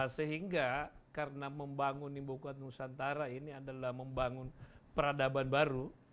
sehingga karena membangun ibu kota nusantara ini adalah membangun peradaban baru